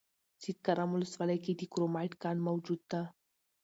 سیدکرم ولسوالۍ کې د کرومایټ کان موجود ده